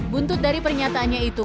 buntut dari pernyataannya itu